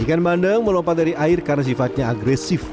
ikan bandeng melompat dari air karena sifatnya agresif